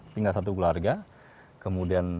tinggal satu keluarga kemudian